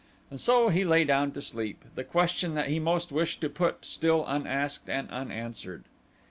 And so he lay down to sleep, the question that he most wished to put still unasked and unanswered.